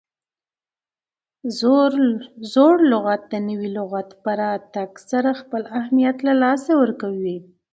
زوړ لغت د نوي لغت په راتګ سره خپل اهمیت له لاسه ورکوي.